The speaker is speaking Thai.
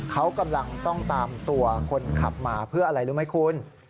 เขากำลังต้องตามตัวคนขับมาเพื่ออะไรรู้ไหมคุณ